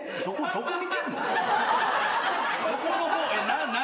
どこ見てんの？何！？